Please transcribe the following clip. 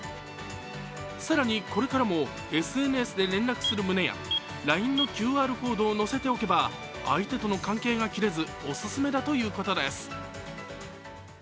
更に、これからもＳＮＳで連絡する旨やＬＩＮＥのＱＲコードを載せておけば相手との関係が切れず、おすすめだということです。